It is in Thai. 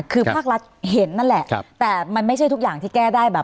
คือภาครัฐเห็นนั่นแหละแต่มันไม่ใช่ทุกอย่างที่แก้ได้แบบ